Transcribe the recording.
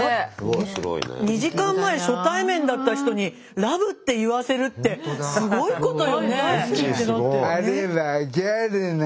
２時間前初対面だった人にラブって言わせるってすごいことよね。